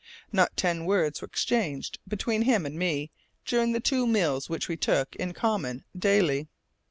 Not ten words were exchanged between him and me during the two meals which we took in common daily.